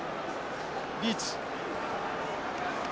リーチ。